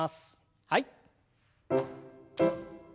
はい。